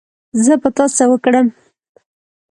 زه په تا څه وکړم